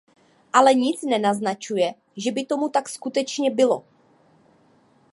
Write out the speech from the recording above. Ale nic nenaznačuje, že by tomu tak skutečně bylo.